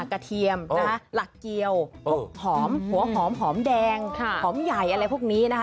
เทียมนะคะหลักเกียวพวกหอมหัวหอมหอมแดงหอมใหญ่อะไรพวกนี้นะคะ